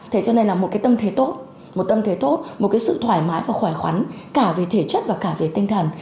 thế cho nên là một cái tâm thể tốt một cái sự thoải mái và khỏe khoắn cả về thể chất và cả về tinh thần